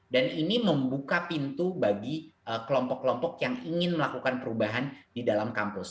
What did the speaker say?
dan ini membuka pintu bagi kelompok kelompok yang ingin melakukan perubahan di dalam kampus